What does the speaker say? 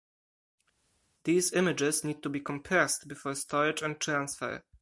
These images need to be compressed before storage and transfer.